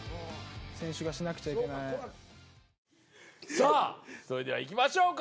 さあそれではいきましょうか。